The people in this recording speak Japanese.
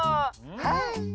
はい。